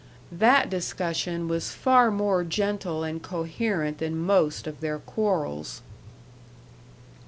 That discussion was far more gentle and coherent than most of their quarrels.